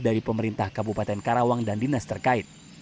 dari pemerintah kabupaten karawang dan dinas terkait